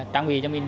trang bị cho mình